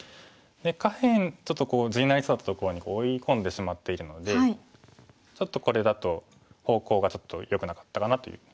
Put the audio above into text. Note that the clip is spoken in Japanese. で下辺ちょっと地になりそうだったところに追い込んでしまっているのでこれだと方向がちょっとよくなかったかなという。